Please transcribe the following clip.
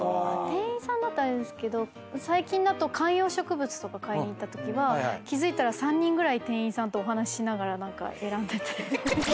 店員さんだとあれですけど最近だと観葉植物とか買いに行ったときは気付いたら３人ぐらい店員さんとお話ししながら何か選んでて。